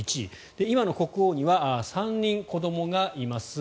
今の国王には３人子どもがいます。